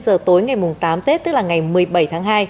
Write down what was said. ba giờ tối ngày mùng tám tết tức là ngày một mươi bảy tháng hai